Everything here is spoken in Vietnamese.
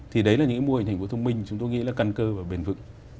thì đấy là những mô hình thành phố thông minh chúng tôi nghĩ là căn cơ và bền vững